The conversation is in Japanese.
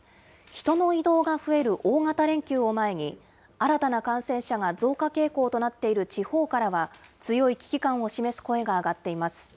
人の移動が増える大型連休を前に、新たな感染者が増加傾向となっている地方からは強い危機感を示す声が上がっています。